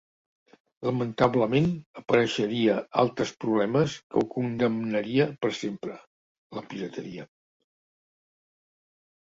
Lamentablement apareixeria altres problemes que ho condemnaria per sempre: la pirateria.